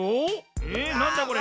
えなんだこれ？